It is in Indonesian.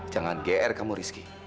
jangan gr kamu rizky